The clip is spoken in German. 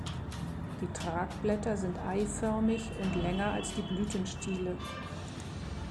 Die Tragblätter sind eiförmig und länger als die Blütenstiele.